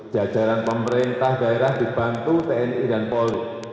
jajaran pemerintah daerah dibantu tni dan polri